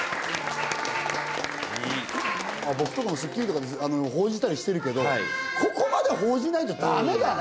僕とかもスッキリとかで報じたりしてるここまで報じないとダメだね。